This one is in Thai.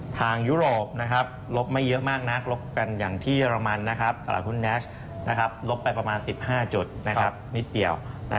ยุโรปลบไม่เยอะมากนักลบกันอย่างที่เรมันนะครับตลาดหุ้นแนชลบไปประมาณ๑๕จุดนิดเดียว